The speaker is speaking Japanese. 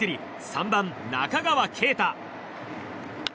３番、中川圭太。